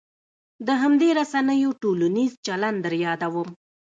د همدې رسنیو ټولنیز چلن در یادوم.